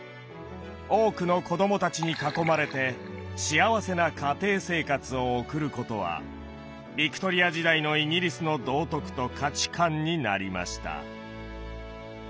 多くの子どもたちに囲まれて幸せな家庭生活を送ることはヴィクトリア時代のイギリスの道徳と価値観になりました。